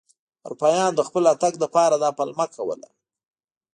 اروپایانو د خپل راتګ لپاره دا پلمه کوله.